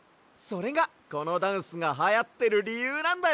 それがこのダンスがはやってるりゆうなんだよ。